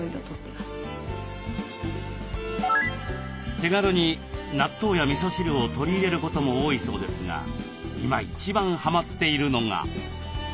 手軽に納豆やみそ汁を取り入れることも多いそうですが今一番はまっているのが。